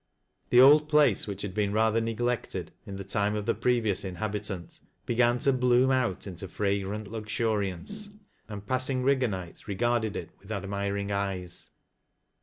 The old place, which had been rather neglected in the time of the pre vious inhabitant, began to bloom out into fragrant luxuri ance, and passing Eigganites regarded it with admiring eyes.